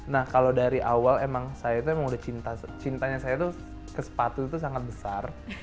nah kalau dari awal emang saya itu emang udah cintanya saya tuh ke sepatu itu sangat besar